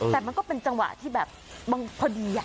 แต่มันก็เป็นจังหวะที่พอดี